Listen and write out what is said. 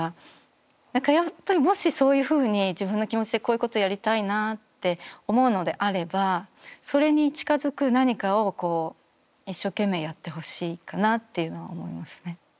何かやっぱりもしそういうふうに自分の気持ちでこういうことやりたいなって思うのであればそれに近づく何かを一生懸命やってほしいかなっていうのは思いますね。